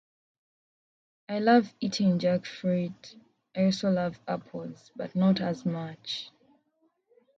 All songs written by Sakis Tolis, except where noted.